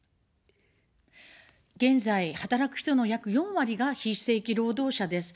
現在、働く人の約４割が非正規労働者です。